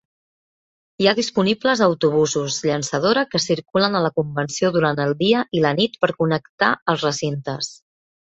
Hi ha disponibles autobusos llançadora que circulen a la convenció durant el dia i la nit per connectar els recintes.